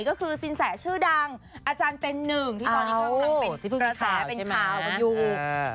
ก็คือสินแสชื่อดังอเป็นหนึ่งที่ตอนนี้ค่อยเป็นภาษาเป็นข่าวอยู่